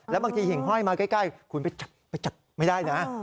แล้วบางทีหิ่งห้อยมาใกล้คุณไปจับไม่ได้นะ